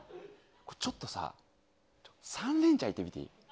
ちょっとさ、３連チャンいってみていい？